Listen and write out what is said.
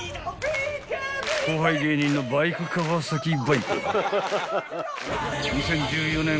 ［後輩芸人のバイク川崎バイクは］